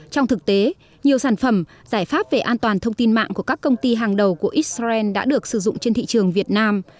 trong thực tế nhiều sản phẩm giải pháp về an toàn thông tin mạng của các công ty hàng đầu của israel đã được sử dụng trên thị trường việt nam